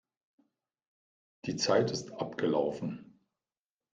Die Zeit ist abgelaufen.